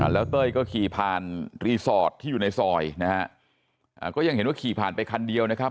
แล้วเต้ยก็ขี่ผ่านรีสอร์ทที่อยู่ในซอยนะฮะก็ยังเห็นว่าขี่ผ่านไปคันเดียวนะครับ